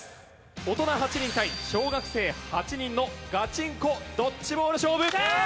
大人８人対小学生８人のガチンコドッジボール勝負！